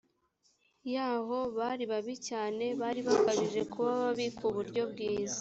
yaho bari babi cyane bari bakabije kuba babi ku buryo bwiza